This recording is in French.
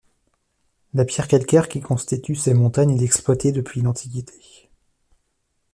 La pierre calcaire qui constitue ces montagnes est exploitée depuis l'Antiquité.